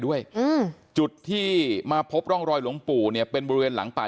ด้วยอืมจุดที่มาพบร่องรอยหลวงปู่เนี่ยเป็นบริเวณหลังป่า